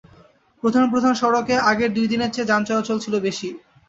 প্রধান প্রধান সড়কে আগের দুই দিনের চেয়ে যান চলাচল ছিল বেশি।